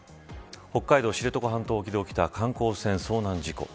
北海道知床半島沖で起きた観光船、遭難事故。